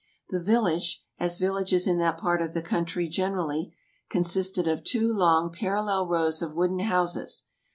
The village, as villages in that part of the country gen erally, consisted of two long parallel rows of wooden houses.